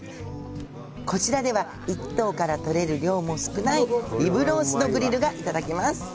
こちらでは、１頭から取れる量も少ないリブロースのグリルがいただけます。